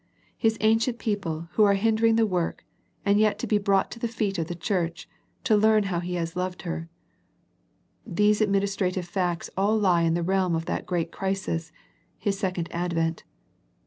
His ancient people who are hindering the work, are yet to be brought to the feet of the church, to learn how He has loved her. These administrative facts all lie in the realm of that' great crisis. His second advent.